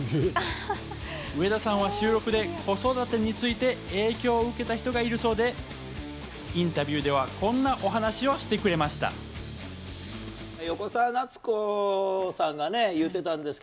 上田さんは収録で、子育てについて影響を受けた人がいるそうで、インタビューではこんなお話をしてくれました。ね。